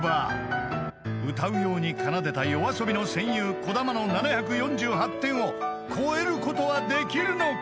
［歌うように奏でたＹＯＡＳＯＢＩの戦友小玉の７４８点を超えることはできるのか？］